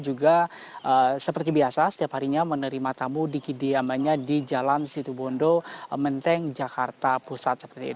juga seperti biasa setiap harinya menerima tamu di kediamannya di jalan situbondo menteng jakarta pusat